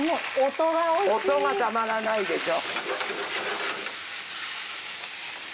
音がたまらないでしょ。